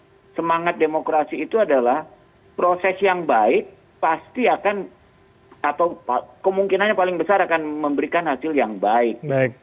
dan menurut saya semangat demokrasi itu adalah proses yang baik pasti akan atau kemungkinannya paling besar akan memberikan hasil yang baik